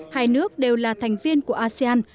hai nước đều là thành viên của asean